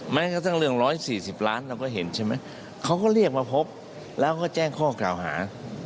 แม้กระทั่งเรื่อง๑๔๐ล้านเราก็เห็นใช่ไหมเขาก็เรียกมาพบแล้วก็แจ้งข้อกล่าวหา